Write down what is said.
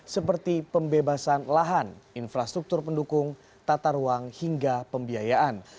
seperti pembebasan lahan infrastruktur pendukung tata ruang hingga pembiayaan